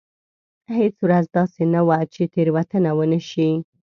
هېڅ ورځ داسې نه وه چې تېروتنه ونه شي.